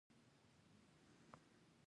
ازادي راډیو د بانکي نظام اړوند مرکې کړي.